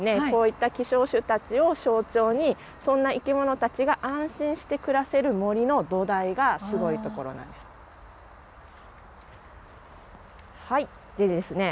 こういった希少種たちを象徴にそんな生き物たちが安心して暮らせる森の土台がすごいところなんです。